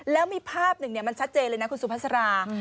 แล้วมีภาพหนึ่งมันชัดเจนเลยนะคุณสุภาษา